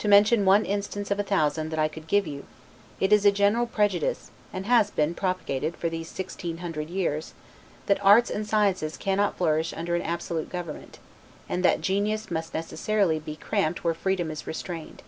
To mention one instance of a thousand that I could give you: It is a general prejudice, and has been propagated for these sixteen hundred years, that arts and sciences cannot flourish under an absolute government; and that genius must necessarily be cramped where freedom is restrained.